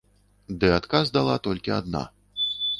Ды адказ дала толькі адна.